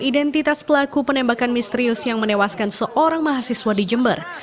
identitas pelaku penembakan misterius yang menewaskan seorang mahasiswa di jember